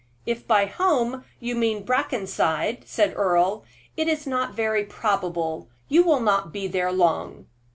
"If by home you mean Brackenside," said Earle, "it is not very probable; you will not be there long."